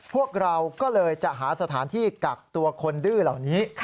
พวกเราก็เลยจะหาสถานที่กักตัวคนดื้อเหล่านี้